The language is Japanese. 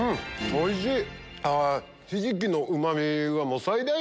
おいしい。